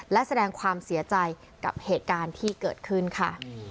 และแสดงความเสียใจกับเหตุการณ์ที่เกิดขึ้นค่ะ